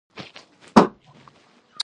افغانستان د اوبزین معدنونه کوربه دی.